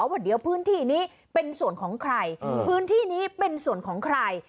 ว่าเดี๋ยวพื้นที่นี้เป็นส่วนของใครพื้นที่นี้เป็นส่วนของใคร